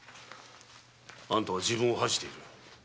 あんたは自分を恥じている。